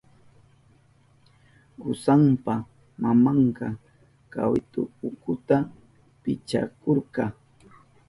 Kusanpa mamanka kawitu ukuta pichahurka.